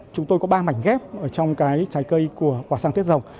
chúng tôi có ba mảnh ghép ở trong cái trái cây của quà sang tết rồng